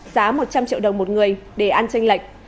giá một trăm linh triệu đồng một người để ăn tranh lệch